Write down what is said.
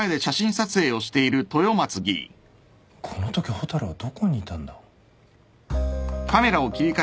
このとき蛍はどこにいたんだ？